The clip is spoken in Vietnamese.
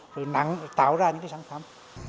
rồi nắng tạo ra những cái sản phẩm